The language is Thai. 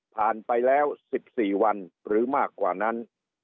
ผ่านไปแล้ว๑๔วันหรือมากกว่านั้น